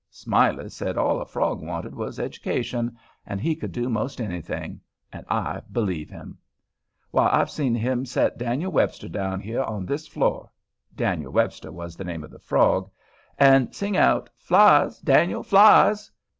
Smiley said all a frog wanted was education, and he could do 'most anything—and I believe him. Why, I've seen him set Dan'l Webster down here on this floor—Dan'l Webster was the name of the frog—and sing out, "Flies, Dan'l, flies!"